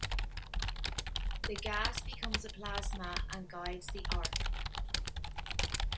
The gas becomes a plasma and guides the arc.